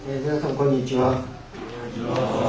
こんにちは。